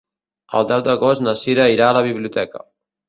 El deu d'agost na Cira irà a la biblioteca.